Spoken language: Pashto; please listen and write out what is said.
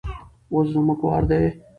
اوس زموږ وار دی.